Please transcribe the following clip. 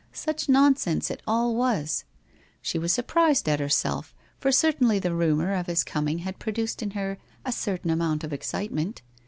Such nonsense it all was! She was sur prised at herself, for certainly the rumour of his coming had produced in her a certain amount of excitement.